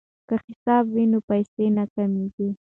که حساب وي نو پیسې نه کمیږي.